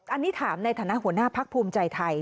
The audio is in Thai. อันนี้ถามในฐานะหัวหน้าพักภูมิใจไทย